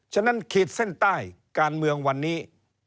ฉะนั้นขีดเส้นใต้การเมืองวันนี้